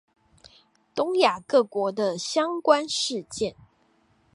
東亞各國的相關事件